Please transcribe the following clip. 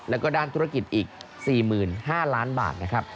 แล้วก็ด้านธุรกิจอีก๔๕ล้านบาทนะครับ